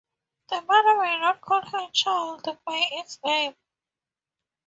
The mother may not call her child by its name.